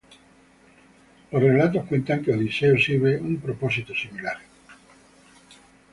Los relatos cuentan que Odiseo sirve un propósito similar.